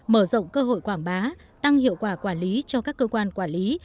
mở rộng cơ hội quảng bá tăng hiệu quả quản lý cho các cơ quan quản lý